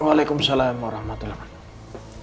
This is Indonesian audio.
waalaikumsalam warahmatullahi wabarakatuh